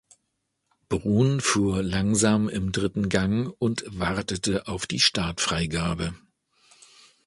Brun fuhr langsam im dritten Gang und wartete auf die Startfreigabe.